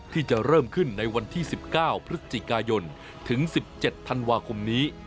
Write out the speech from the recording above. ที่จะเริ่มขึ้นในวันที่๑๙พฤศจิกายนถึง๑๗ธันวาคมนี้